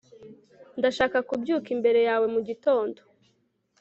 Ndashaka kubyuka imbere yawe mugitondo